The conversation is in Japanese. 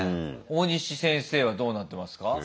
大西先生はどうなってますか？